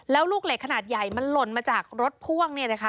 แล้วลูกเหล็กขนาดใหญ่มันหล่นมาจากรถพ่วง